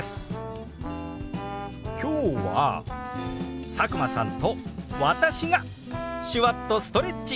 今日は佐久間さんと私が手話っとストレッチ！